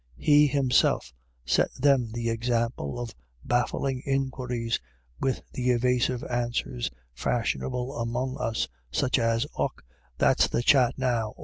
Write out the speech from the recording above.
He himself set them the example of baffling inquiries with the evasive answers fashion able among us, such as :" Och, that's the chat now," A WET DAY.